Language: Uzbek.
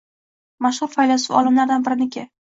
Mashhur faylasuf-olimlardan biriniki.